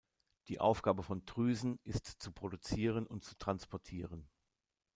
Die Aufgabe von Drüsen ist zu produzieren und zu transportieren.